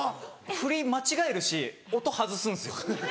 振り間違えるし音外すんすよ。